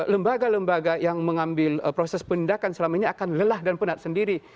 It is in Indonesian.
lembaga lembaga yang mengambil proses penindakan selama ini akan lelah dan penat sendiri